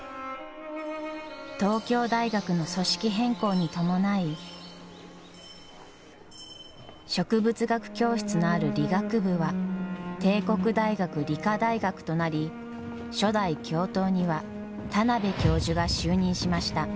東京大学の組織変更に伴い植物学教室のある理学部は帝国大学理科大学となり初代教頭には田邊教授が就任しました。